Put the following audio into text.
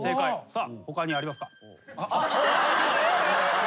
さあ他にありますか？